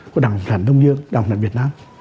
của đảng phản đông dương đảng phản việt nam